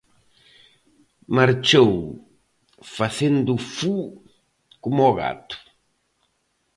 Marchou facendo fu coma o gato.